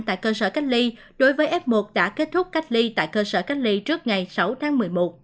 tại cơ sở cách ly đối với f một đã kết thúc cách ly tại cơ sở cách ly trước ngày sáu tháng một mươi một